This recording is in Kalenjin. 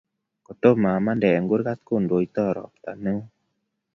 kotomo amanda eng kurgat kondo toiy ropta neo